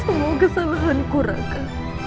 semua kesalahanku raka